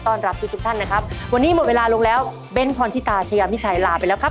ขอบคุณมากนะครับที่ให้เก่งเพื่อทำรายการนะครับ